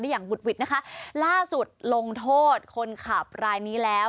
อย่างบุดหวิดนะคะล่าสุดลงโทษคนขับรายนี้แล้ว